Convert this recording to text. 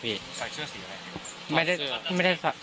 ใส่เชื้อสีอะไร